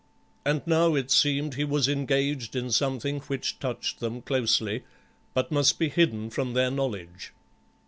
And now it seemed he was engaged in something which touched them closely, but must be hidden from their knowledge.